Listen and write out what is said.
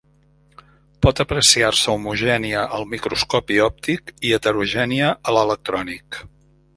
Pot apreciar-se homogènia al microscopi òptic i heterogènia a l'electrònic.